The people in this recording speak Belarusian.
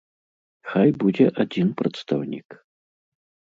Хай будзе адзін прадстаўнік.